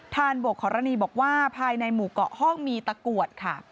นบกขอรณีบอกว่าภายในหมู่เกาะห้องมีตะกรวดค่ะ